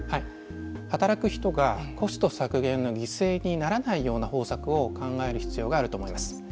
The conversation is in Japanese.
働く人がコスト削減の犠牲にならないような方策を考える必要があると思います。